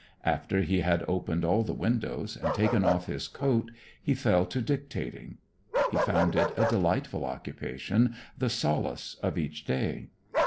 After he had opened all the windows and taken off his coat, he fell to dictating. He found it a delightful occupation, the solace of each day.